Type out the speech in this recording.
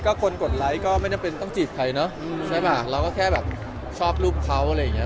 ก็คนกดไลค์ก็ไม่จำเป็นต้องจีบใครเนอะใช่ป่ะเราก็แค่แบบชอบรูปเขาอะไรอย่างเงี้